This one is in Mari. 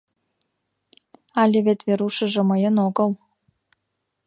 — Але вет Верушыжо мыйын огыл.